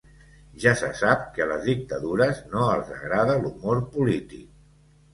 Ja se sap que a les dictadures no els agrada l’humor polític.